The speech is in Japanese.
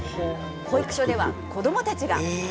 保育所では子どもたちが。